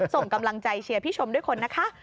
ส่งกำลังใจเชียร์พี่ชมด้วยคนนะคะ